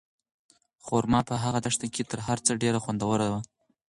خورما په هغه دښته کې تر هر څه ډېره خوندوره وه.